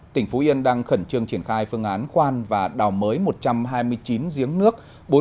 tỉnh phú yên đang khẩn trương triển khai phương án khoan và đào mới một trăm hai mươi chín giếng nước